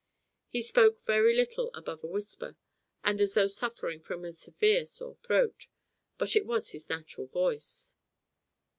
He spoke very little above a whisper, and as though suffering from a severe sore throat, but it was his natural voice.